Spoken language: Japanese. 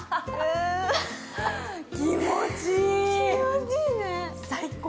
気持ちいいね。